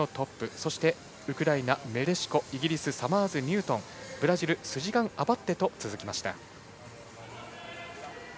そして、ウクライナ、メレシコイギリス、サマーズニュートンブラジルのスジガンアバッテと続きました。